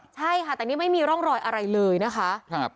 ใช่ค่ะแต่นี่ไม่มีร่องรอยอะไรเลยนะคะ